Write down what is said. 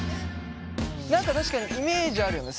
何か確かにイメージあるよね。